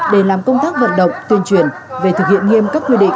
để làm công tác vận động tuyên truyền về thực hiện nghiêm các quy định